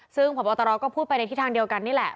ซึ่งพบตรก็พูดไปในทิศทางเดียวกันนี่แหละ